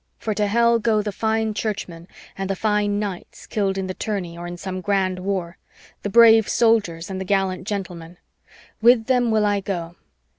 For to Hell go the fine churchmen, and the fine knights, killed in the tourney or in some grand war, the brave soldiers and the gallant gentlemen. With them will I go.